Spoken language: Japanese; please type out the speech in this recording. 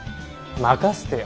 任せてよ。